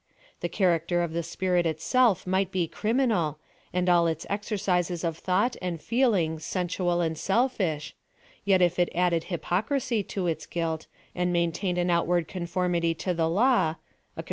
The character of the spirit itself might be criminal, and all its exercises of thought and feeling sensual and selfish, yet if it added hj pocrisj to its guilt, and maintained an outward conformity, to the law PLAN OP SALVATION.